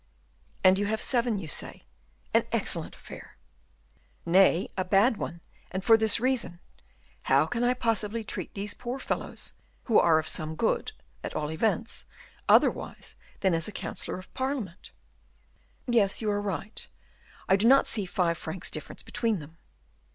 "And you have seven, you say; an excellent affair." "Nay, a bad one, and for this reason. How can I possibly treat these poor fellows, who are of some good, at all events, otherwise than as a councilor of parliament?" "Yes, you are right; I do not see five francs difference between them."